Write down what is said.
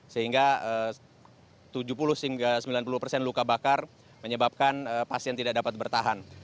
sehingga tujuh puluh hingga sembilan puluh persen luka bakar menyebabkan pasien tidak dapat bertahan